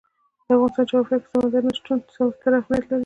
د افغانستان جغرافیه کې سمندر نه شتون ستر اهمیت لري.